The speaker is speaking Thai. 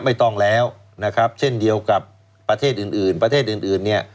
ไม่ต้องแล้วเช่นเดียวกับประเทศอื่น